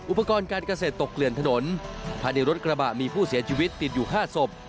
อุปกรณ์การเกษตรตกเกลื่อนถนนภายในรถกระบะมีผู้เสียชีวิตติดอยู่๕ศพ